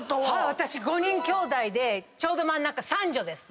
私５人きょうだいでちょうど真ん中三女です。